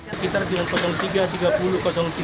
sekitar sembilan tiga tiga puluh sembilan tiga pagi itu